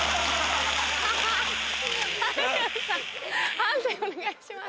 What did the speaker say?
判定お願いします。